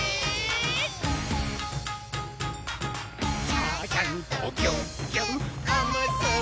「ちゃちゃんとぎゅっぎゅっおむすびちゃん」